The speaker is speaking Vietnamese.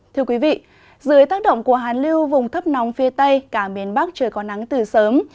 thưa quý vị dưới tác động của hàn lưu vùng thấp nóng phía tây cả miền bắc trời có nắng từ sớm